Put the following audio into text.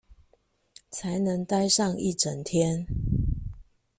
才能待上一整天